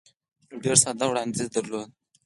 یو ډېر ساده وړاندیز یې درلود.